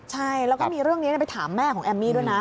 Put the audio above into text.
ใช่แล้วก็มีเรื่องนี้ไปถามแม่ของแอมมี่ด้วยนะ